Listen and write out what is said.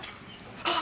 あっ！